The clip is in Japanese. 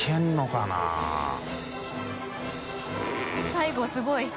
最後すごい。